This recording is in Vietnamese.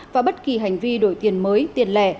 và bất kỳ hành vi đổi tiền mới tiền lẻ